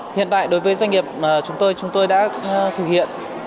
hiện tại đối với doanh nghiệp chúng tôi chúng tôi đã thực hiện